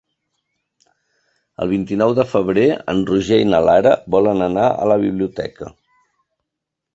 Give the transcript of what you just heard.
El vint-i-nou de febrer en Roger i na Lara volen anar a la biblioteca.